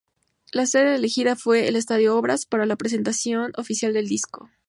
La sede elegida fue el estadio Obras, para la presentación oficial del disco.